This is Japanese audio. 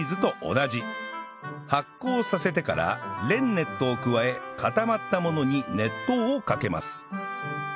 発酵させてからレンネットを加え固まったものに熱湯をかけます